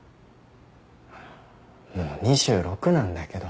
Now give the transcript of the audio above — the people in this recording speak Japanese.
もう２６なんだけど。